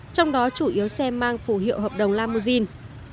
trong đó chủ yếu xe mang phủ hiệu hợp đồng lamujin